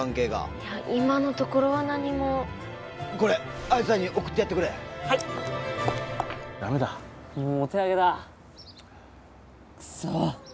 いや今のところは何もこれあいつらに送ってやってくれはいダメだうん？